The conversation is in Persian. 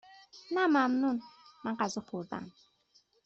نه ممنون، من غذا خوردهام.